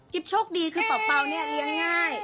โชคดีคือเป่าเนี่ยเลี้ยงง่าย